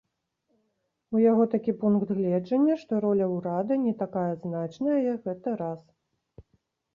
У яго такі пункт гледжання, што роля ўрада не такая значная, гэта раз.